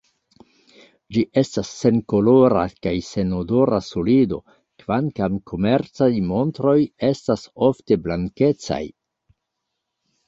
Ĝi estas senkolora kaj senodora solido, kvankam komercaj montroj estas ofte blankecaj.